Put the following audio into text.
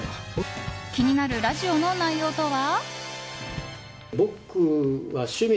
気になるラジオの内容とは。